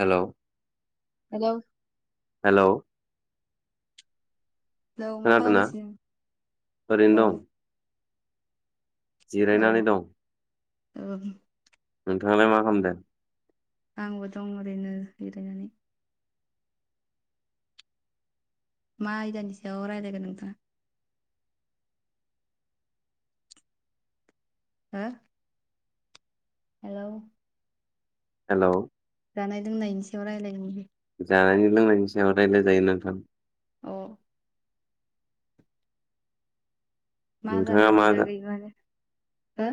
Hello hello hello. Hello मा खोनादोंना खालामगासिनो अ। ओरैनो दं औ जिरायनानै दं। औ। नोंथांलाय मा खालामदों। आंबो दं ओरैनो जिरायनानै। मा आयदानि सायाव रायज्लायगोन नोंथाङा। हो। हेलौ। हेलौ जानाय लोंनायनि सायाव रायलायनि। जानायनि लोंनायनि सायाव रायज्लाय जायो नोंथां। अ मा जानायनि बागै माने हो।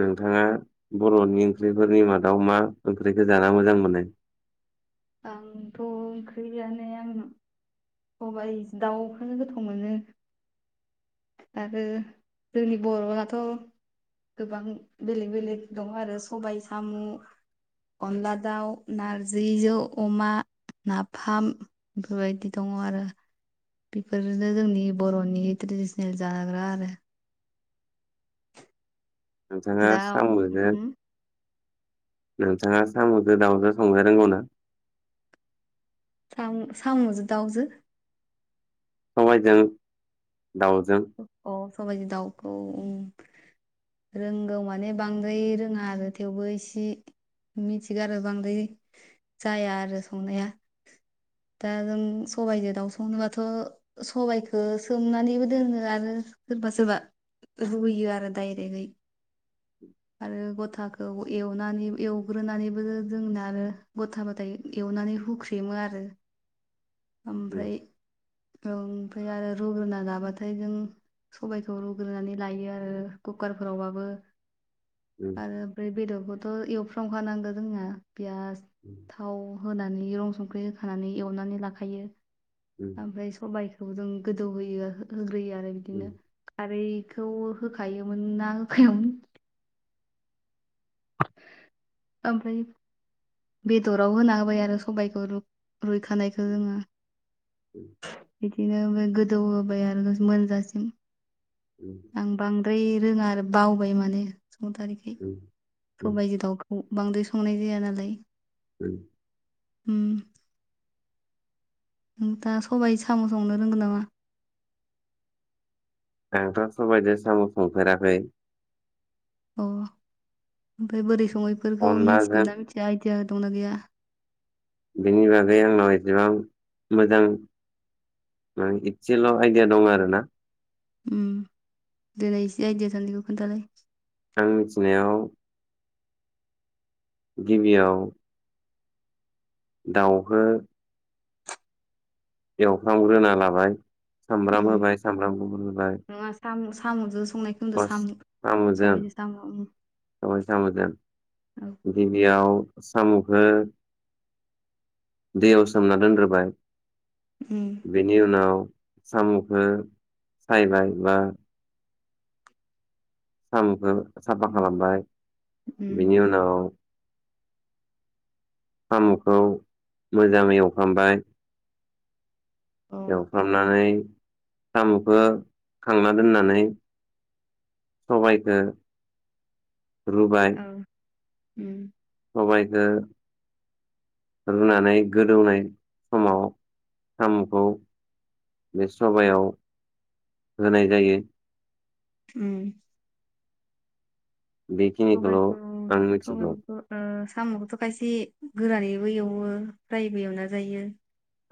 नोंथाङा बर'नि ओंख्रिफोरनि मादाव मा ओंख्रिखौ जाना मोजां मोनो। आंथ' ओंख्रिआनो आंना। सबाय दाउखोनो गोथाव मोनो। आरो जोंनि बर'आथ'। गोबां बेलेग बेलेग दं आरो सबाय सामु। अनला दाउ नारजि जौ। अमा नाफाम बेफोरबायदि दङ आरो। बेफोरनो जोंनि बर'नि ट्रेडिसनेल जानाग्रा आरो। नोंथाङा दा साम बिजों। होम नोंथाङा साम'जों दाउजों संनो रोंगौ ना। सामु सामुजो दाउजो। सबायजों दाउजों। सबाय जो दाउखौ उम। रोंगौ माने बांद्राय रोङा आरो थेवबो इसे। मिथिगारो बांद्राय जाया आरो संनाया। दा जों सबाइजों दाउ संनोबाथ' सबाइखौ सोमनानैबो दोनो। आरो सोरबा सोरबा रुयो आरो डायरेकयै। [inaudible] आरो गथाखौ एवनानै एवग्रोनानैबो जोंना आरो गथाबाथाय एवनानै। हुख्रेमो आरो। [inaudible] उम ओमफ्राय ओमफ्राय आरो रुग्रोना लाबाथाय। फ्रायजों सबायखौ रुग्रोनानै लायो आरो कुकारफोरावबाबो। उम आरो ओमफ्राय बेदरखौथ' एवफ्राम खानांगौ जोङो पियास। थाव होनानै रं संख्रि होखानानै एवनानै लाखायो। उम ओमफ्राय सबायाइखौ जों गोदौहोयो। होग्रोयो आरो उम बिदिनो खारैखौ होखायोमोन ना होखायावोन। [inaudible] ओममफ्राय। बेदराव होना होबाय आरो सबायखौ रु रुइखानायखौ जोङो। बिदिनो गोदौहोबाय आरो मोनजासिम। उम आं बांद्राय रोङा आरो बावबाय माने। संथारिखाय उम उम सबायाइजों दाउखौ बांद्राय संनाय जाया नालाय। उम होम। नों दा सबायाइ साम'स संनो रोंगोन नामा? आंथ सबाइजों सामु संफेराखै। अ ओमफ्राय बोरै सङैफोरखौ अनलाजों मिथिगोनना मिथिया आइदिया दंना गैया। बिनि बागै आंनाव एसेबां मोजां माने एदसेल' आइडिया दं आरोना। उम देलाय एसे आइदिया थानायखौ खोन्थालाय। आं मिथिनायाव गिबियाव दाउखो एवफ्रामग्रोना लाबाय सामब्राम उम होबाय सामब्राम गफुर होबाय सामु'जों संनायखौ होनदों प्लास सामु साम'जों सबायजों सामु। ' सबाय साम'जों गिबियाव साम'खौ दैयाव सोमना दोनग्रोबाय। उम बेनि उनाव साम'खौ सायबाय बा साम'खौ साफा खालामबाय उम बिनि उनाव सामुखौ मोजाङै एवफ्रामबाय औ एवफ्रामनानै साम'खौ खांना दोननानै सबायखौ रुबाय। औ उम सबायखौ रुनानै गोदौनाय समाव सामखौ बे सबायाव होनाय जायो। उम बेखिनिखौल' सबायखौ आं मिथिगौ सबायफोरखौ ओ साम'खौथ' खायसे गोरानैबो एवो फ्रायबो एवना जायो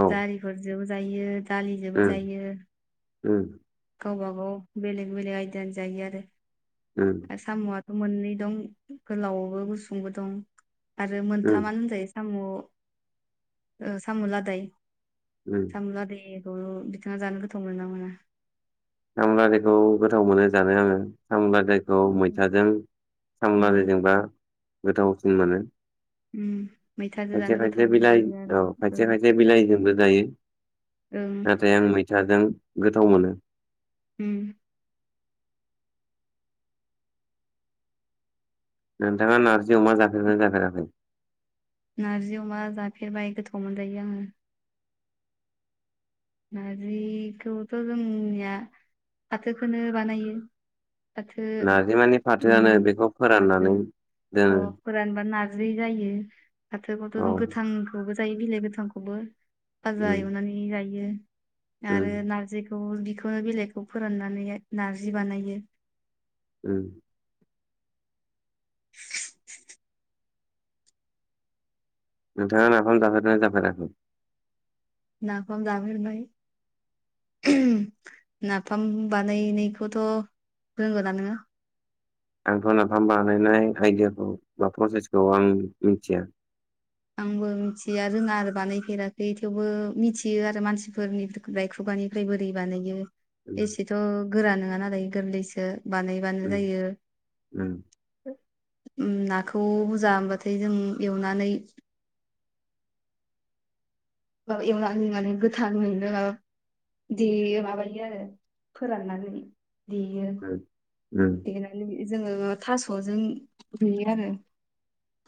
औ जारिफोर जोंबो जायो दालिजोंबो उम जायो। उम गावबा गाव बेलेग बेलेग आयदानि जायो आरो उम दा साम'आ मोननै दं गोलावबो गुसुंबो दं आरो उम मोनथामानो होनजायो साम' ओ सामुलादाय उम सामुलादाय [unintelligible] बिथाङा जानो गोथाव मोनोना मोना।? साम'लादायखौ गोथाव मोनो जानो आङो। साम'लादायखौ मैथाजों औ साम'लादायजोंबा गोथावसिन मोनो। उम मैथाजों खायसे जानो खायसे गोथाव बिलाइ मोनजायो आरो औ खायसे ओं खायसे बिलाइजोंबो जायो। ओं नाथाय आं मैथाजों गोथाव मोनो। उम नोंथाङा नार्जि अमा जाफेरबायना जाफेराखै? नार्जि अमा जाफेरबाय गोथाव मोनजायो आङो। नारजिखौथ' जोंनिया फाथोखौनो बानायो। फाथो बे उम फाथोआनो बेखौ फाथो फोराननानै अ दोनो फोरानबा नार्जि जायो फाथोखौथ' औ जों गोथांखौबो जायो बिलाइ गोथांखौबो फाजा उम एवनानै जायो उम आरो नारजि थ बिखौनो बिलाइखौ फोराननानै नारजि बानायो। ओम। [inaudible] नोंथाङा नाफाम जाफेरबायना जाफेराखै? नाफाम जाफेरबाय। [inaudible] नाफाम बानायनायखौथ' रोंगोन ना नोङो? आंथ' नाफाम बानायनाय आइडियाखौ बा प्रसेसखौ आं मिथिया। आंबो मिथिया रोङा आरो बानायफेराखै थेवबो मिथियो आरो मानसिफोरनि राय खुगा निफ्राय बोरै बानायो उम एसेथ' गोरा नङा नालाय गोरलैसो। बानायबानो उम जायो। उम उम नाखौ बुरजा मोनबाथाय जों एवनानै ओ एवनानै एवनानै गोथांयैनो माबा देयो माबायो आरो फोराननानै देयो उम देनानै जोङो थास'जों देयो आरो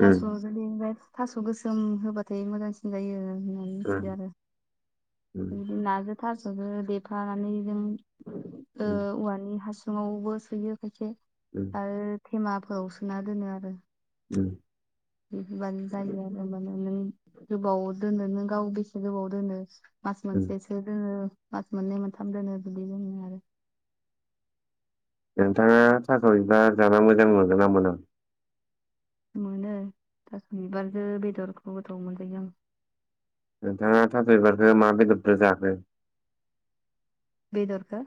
थास' उम जों ओमफ्राय थास' गोसोम होबाथाय मोजांसिन जायो होननानै मिथिदों उम आरो। उम उम बिदि नाजो थास'जो देफानानै जों ओ उम औवानि हासुङावबो सोयो खायसे उम आरो थेमाफोराव सोना दोनो आरो। उम। बिदिबानो जायो आरो माने नों गोबाव दोनो नों गाव बेसे गोबाव दोनो मास उम मोनसेसो दोनो मास मोननै मोनथाम दोनो बिदि दोनो आरो। नोंथाङा थास' बिबार जाना मोजां मोनो ना मोना? मोनो थास' बिबारजो बेदरखौ गोथाव मोनजायो आं। नोंथाङा थास'बिबारखो मा बेदरदो जाखो? बेदरखो?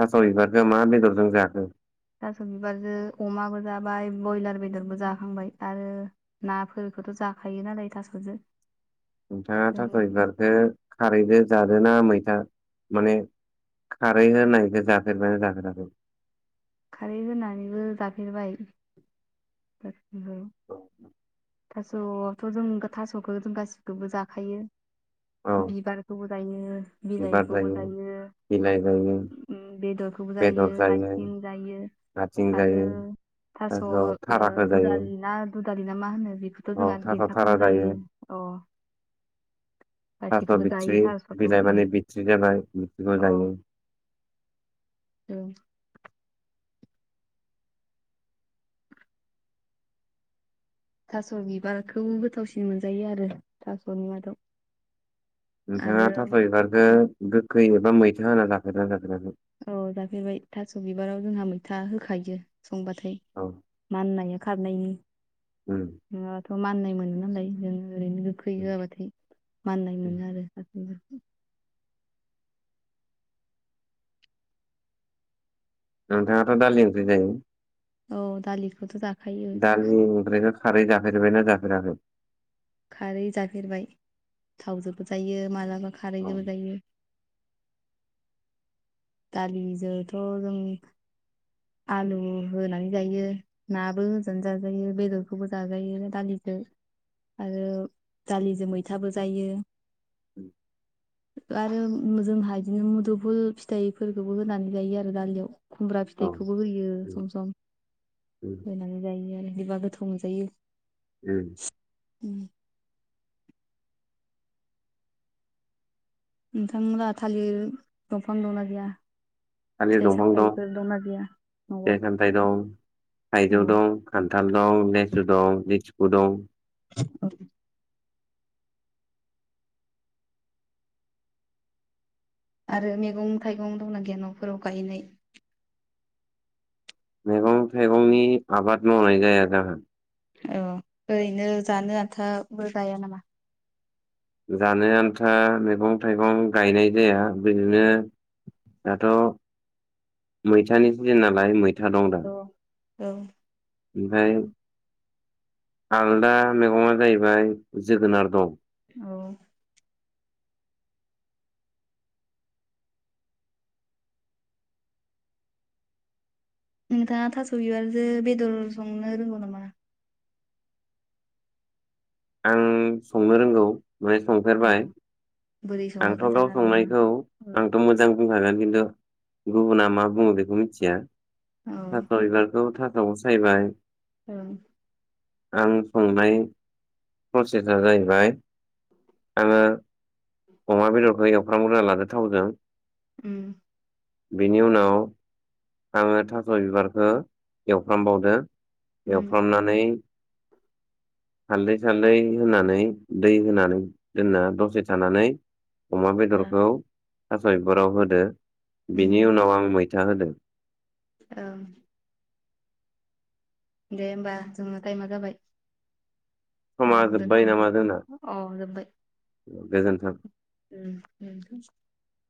थास' बिबारदो मा बेदरजों जाखो? थास' बिबारजो अमाबो जाबाय बयलार बेदरबो जाखांबाय आरो नाफोर खौथ' जाखायो नालाय थास'जो। नोंथाङा जों थास' बिबारदो खारैजो जादोना मैथा माने खारै होनायखौ जाफेरबायना जाफेराखै? खारै होनानैबो जाफेरबाय, जाफेरबाय। थास'आवथ' जों थास'खो जों गासिखौबो जाखायो, औ बिबारखौबो जायो बिलाइखौबो जायो बिलाइ जायो उम बेदरखौबो जायो आथिं जायो आथिं आरो जायो थास' थाराखो जायो। दुदालि ना दुदालि ना मा होनो बेखौथ' औ जोंहा थास' थारा देन्थाखौबो जायो अ। थास' गासैखौबो जायो बिथ्रि थास'खौ बिलाइ उम माने बिथ्रि जाबाय बिथ्रिखौ जायो। औ थास' बिबारखौ गोथावसिन मोनजायो आरो थास'नि मादाव। नोंथाङा आरो थास' बिबारदो गोखै एबा मैथा होना जाफेरदोना जाफेराखै? औ जाफेरबाय थास' बिबाराव जोंहा मैथा होखायो संबाथाय औ माननाया खारनायनि। उम नङाबाथ' माननाय मोनो नालाय जोङो ओरैनो गोखै होआबाथाय माननाय मोनो आरो। बिबदि नोंथाङाथ' दालि ओंख्रि जायो? औ दालिखौथ' जा दालि ओंख्रैखो खारै जाफेरबायना जाफेराखै? खारै जाफेरबाय, थावजोबो जायो मालाबा खारैजोबो जायो। दालिजोथ' जों आलुबो होनानै जायो, नाबो होजान जाजायो बेदरखौबो जाजायो दालि जो आरो दालिजो मैथाबो जायो। औ आरो जोंहा बिदिनो मुदुफुल फि थाइफोरखौबो होनानै जायो आरो दालियाव, खुमब्रा औ फिथाइखौबो होयो उम, सम सम उम, बायनानै जायो आरो बिदिबा गोथाव मोनजायो। उम उम। नोंथांमोनहा थालिर दंफां दंना गैया? फिथाइ सामथायफोर दंना गैया? न'आव फिथाय- सामथाइ दं। थाइजौ औ दं, खान्थाल दं, लेसु दं, ले रख' दं औ। आरो मैगं-थाइगं दंना गैया न'फोराव गायनाय? मैगं-थाइगंनि आबाद मावनाय जाया जाहा। औ ओरैनो जानो आन्थाबो गाया नामा? जानो आन्था मैगं- थाइगं गायनाय जाया बिदिनो दाथ' मैथानि सिजेननालाय मैथा दं दा। औ औ ओमफ्राय आलदा मैगंआ जाहैबाय जोगोनार दं। औ नोंथाङा थास' बिबारजों बेदर संनो रोंगौ नामा? आं संनो रोंगौ। ओमफ्राय औ संफेरबाय, बोरै सङो आंथ' खोन्थानो गाव हागोन नामा? संनायखौ औ आंथ' मोजां बुंखागोन खिन्थु गुबुना मा बुङो बेखौ मिथिया। ओं थास' बिबारखौ उनाव सायबाय औ आं संनाय प्रसेसा जाहैबाय आङो अमा बेदरखौ एवफ्रामगोरना लादो थावजों। उम बिनि उनाव आङो थास' बिबारखौ एवफ्रामबावदों एवफ्रामनानै हालदै सालदै होनानै दै होनानै दोनना दसे थानानै अमा ओ बेदरखौ थास' बिफोराव होदो बिनि उनाव आं मैथा होदो। औ दे होमबा जोङो टाइमा जाबाय। औ समा जोब्बाय दोनथ'नोसै नामा जोंना अ' जोबबाय। गोजोन्थों। उह